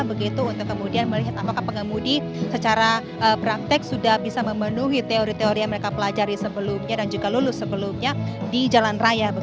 begitu untuk kemudian melihat apakah pengemudi secara praktek sudah bisa memenuhi teori teori yang mereka pelajari sebelumnya dan juga lulus sebelumnya di jalan raya